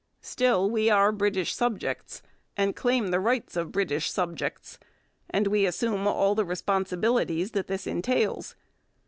Still we are British subjects, and claim the rights of British subjects, and we assume all the responsibilities this entails.